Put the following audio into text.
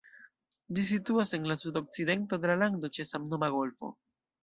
Ĝi situas en la sudokcidento de la lando ĉe samnoma golfo.